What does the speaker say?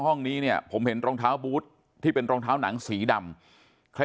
ห้องนี้เนี่ยผมเห็นรองเท้าบูธที่เป็นรองเท้าหนังสีดำใคร